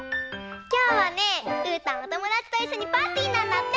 きょうはねうーたんおともだちといっしょにパーティーなんだって。